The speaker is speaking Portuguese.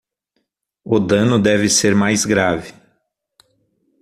O dano deve ser mais grave